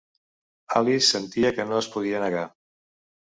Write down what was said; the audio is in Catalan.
Alice sentia que no es podia negar.